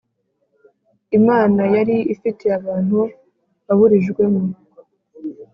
Imana yari ifitiye abantu waburijwemo